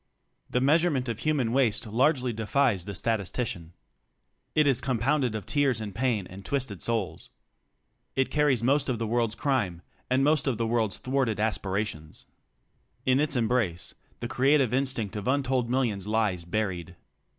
The measurement of human waste largely defies the sta tistician. It is compounded of tears and pain and twisted souls. It carries most of the world's crime and most of the world's thwarted aspirations. In its embrace, the creative instinct of untold millions lies buried.